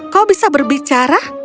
kau bisa berbicara